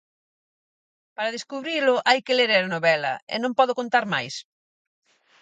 Para descubrilo hai que ler a novela, e non podo contar máis...